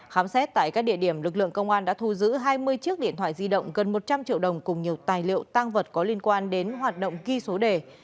khám xét tại các địa điểm lực lượng công an đã thu giữ hai mươi chiếc điện thoại di động gần một trăm linh triệu đồng cùng nhiều tài liệu tăng vật có liên quan đến hoạt động ghi số đề